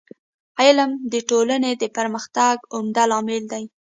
علم د ټولني د پرمختګ عمده لامل دی.